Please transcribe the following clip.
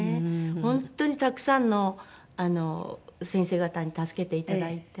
本当にたくさんの先生方に助けていただいて。